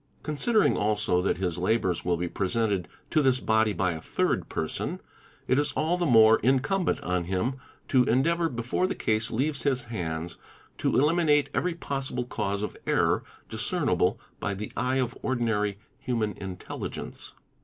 Considering also that his labours — will be presented to this body by a third person, it is all the more in ~ cumbent on him to endeavour, before the case leaves his hands, of eliminate every possible cause of error discernible by the eye of ordinary | human intelligence.